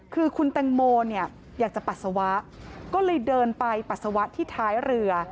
คือคุณแตงโมเนี่ยอยากจะปัสสาวะก็เลยเดินไปปัสสาวะที่ท้ายเรือ